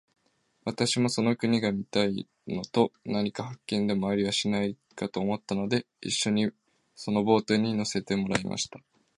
私もその国が見たいのと、何か発見でもありはしないかと思ったので、一しょにそのボートに乗せてもらいました。